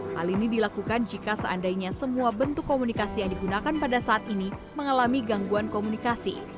hal ini dilakukan jika seandainya semua bentuk komunikasi yang digunakan pada saat ini mengalami gangguan komunikasi